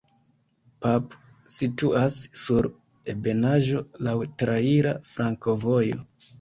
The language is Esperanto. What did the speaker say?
Pap situas sur ebenaĵo, laŭ traira flankovojo.